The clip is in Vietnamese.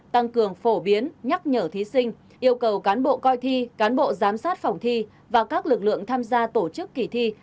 tăng cường phổ biến nhắc nhở thí sinh yêu cầu cán bộ coi thi cán bộ giám sát phòng thi và các lực lượng tham gia tổ chức kỳ thi